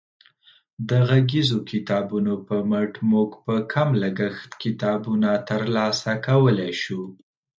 د غږیزو کتابونو په مټ موږ په کم لګښت کتابونه ترلاسه کولی شو.